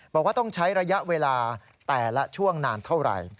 บอกว่าต้องใช้ระยะเวลาแต่ละช่วงนานเท่าไหร่